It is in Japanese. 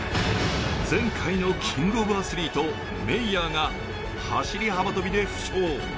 前回のキングオブアスリート、メイヤーが走幅跳で負傷。